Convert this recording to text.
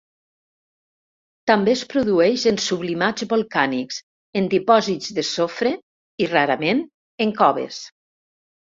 També es produeix en sublimats volcànics, en dipòsits de sofre i, rarament, en coves.